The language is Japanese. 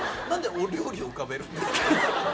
なんでお料理を浮かべる？